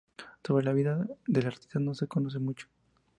Sobre la vida del artista no se conoce mucho.